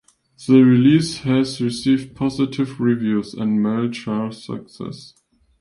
The release has received positive reviews and mild chart success.